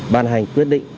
ban hành quyết định